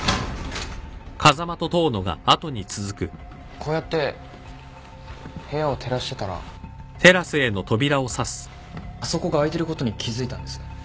こうやって部屋を照らしてたらあそこが開いてることに気付いたんです。